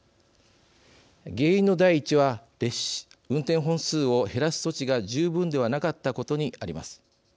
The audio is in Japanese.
原因の第一は運転本数を減らす措置が十分ではなかったことにあります。